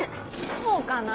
そうかな？